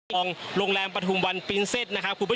รองแรมประธุมวันปรินเซท